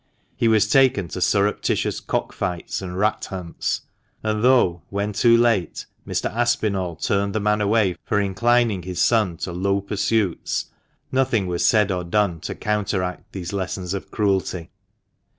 He was taken to surreptitious cock fights and rat hunts ; and though, when too late, Mr. Aspinall turned the man away for inclining his son to "low pursuits," nothing was said or done to counteract these lessons of cruelty